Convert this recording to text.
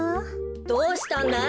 どうしたんだい？